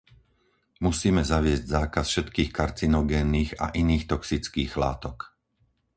Musíme zaviesť zákaz všetkých karcinogénnych a iných toxických látok.